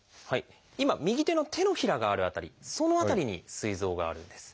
今右手の手のひらがある辺りその辺りにすい臓があるんです。